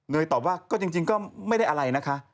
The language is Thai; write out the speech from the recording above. ตอบว่าก็จริงก็ไม่ได้อะไรนะคะ